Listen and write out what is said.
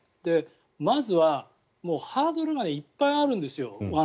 まずは、ハードルがいっぱいあるんですよ。